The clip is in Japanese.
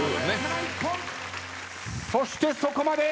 そしてそこまで！